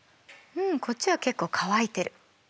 うんこっちは結構乾いてる。